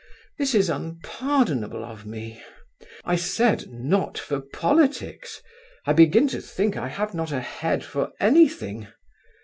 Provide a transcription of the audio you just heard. This is unpardonable of me. I said 'not for politics!' I begin to think I have not a head for anything.